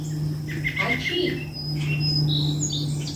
Ачий!